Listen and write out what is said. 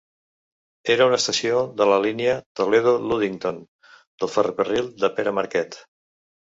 Era una estació de la línia Toledo-Ludington del ferrocarril de Pere Marquette.